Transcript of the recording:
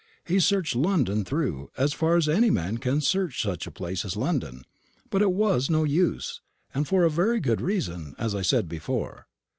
He searched London through, as far as any man can search such a place as London; but it was no use, and for a very good reason, as I said before.